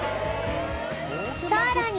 さらに